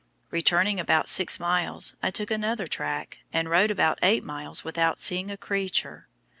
Returning about six miles, I took another track, and rode about eight miles without seeing a creature.